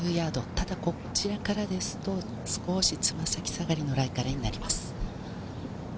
ただこちらからですと、少しつま先下がりになります。